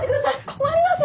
困ります！